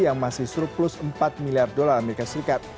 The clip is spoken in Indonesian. yang masih surplus empat miliar dolar as